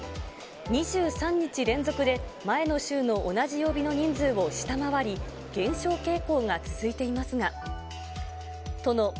２３日連続で、前の週の同じ曜日の人数を下回り、減少傾向が続いていますが。